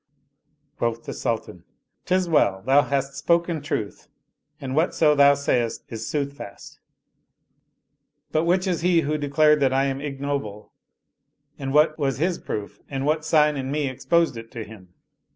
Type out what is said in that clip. Quoth the Sultan, " 'Tis well ; thou hast spoken truth and III Oriental Mystery Stories whatso thou sayest is soothfast. But which is he who de clared that I am ignoble and what was his proof and what sign in me exposed it to him?